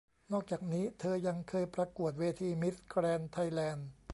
นอกจากนี้เธอยังเคยประกวดเวทีมิสแกรนด์ไทยแลนด์